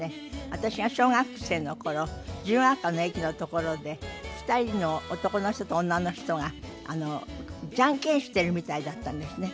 私が小学生の頃自由が丘の駅のところで２人の男の人と女の人がジャンケンしているみたいだったんですね。